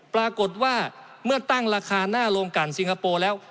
ปรากฏว่าเมื่อตั้งราคาหน้าโรงการสิงคโปร์แล้ว